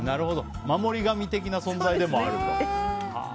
守り神的な存在でもあると。